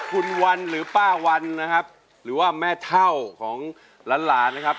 คุณวันหรือป้าวันหรือแม่เท่าของล้านนะครับ